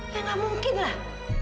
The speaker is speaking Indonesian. ya gak mungkin lah